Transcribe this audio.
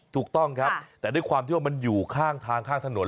ถูกต้องครับแต่ด้วยความที่ว่ามันอยู่ข้างทางข้างถนน